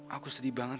aku sedih banget